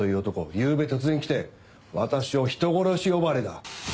ゆうべ突然来て私を人殺し呼ばわりだ。